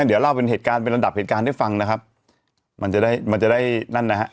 เดี๋ยวเล่าเป็นเหตุการณ์เป็นระดับเหตุการณ์ให้ฟังนะครับมันจะได้มันจะได้นั่นนะฮะ